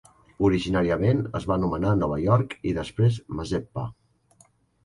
Originàriament es va anomenar Nova York i després Mazeppa.